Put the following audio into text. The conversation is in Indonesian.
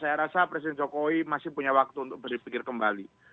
saya rasa presiden jokowi masih punya waktu untuk berpikir kembali